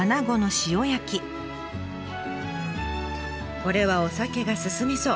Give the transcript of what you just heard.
これはお酒が進みそう。